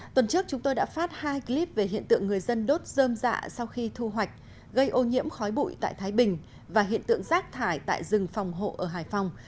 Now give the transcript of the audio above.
tuần trước chúng tôi đã phát hai clip về hiện tượng người dân đốt dơm dạ sau khi thu hoạch gây ô nhiễm khói bụi tại thái bình và hiện tượng rác thải tại rừng phòng hộ ở hải phòng